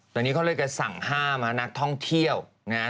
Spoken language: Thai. ตอนนี้เขาเรียกกันสั่งห้ามนักท่องเที่ยวนะฮะ